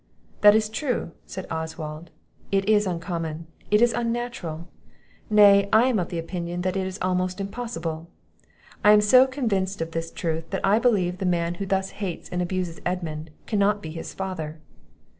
"That is true," said Oswald; "it is uncommon, it is unnatural; nay, I am of opinion it is almost impossible. I am so convinced of this truth, that I believe the man who thus hates and abuses Edmund, cannot be his father."